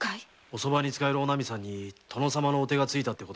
おそばに仕えるお波さんに殿様のお手がついた。